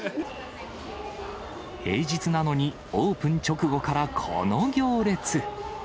平日なのに、オープン直後からこの行列。